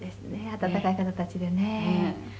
温かい方たちでね」